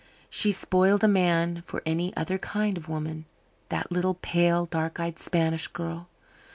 She spoiled a man for any other kind of woman that little pale, dark eyed Spanish girl.